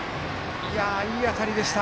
いい当たりでした。